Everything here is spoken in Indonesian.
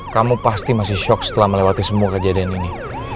kamu pasti masih shock setelah melewati semua kejadian ini